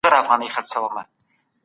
مثبت فکر روغتیا نه خرابوي.